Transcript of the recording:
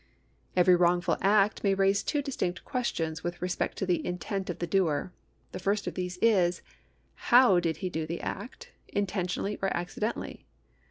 Every wrongful act may raise two distinct questions with respect to the intent of the doer. The first of these is : How did he do the act — intentionally or accidentally